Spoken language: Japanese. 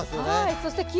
そして気温